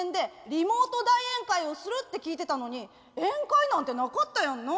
リモート大宴会をするって聞いてたのに宴会なんてなかったやんな。